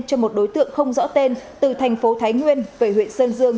cho một đối tượng không rõ tên từ thành phố thái nguyên về huyện sơn dương